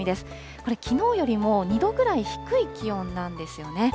これ、きのうよりも２度ぐらい低い気温なんですよね。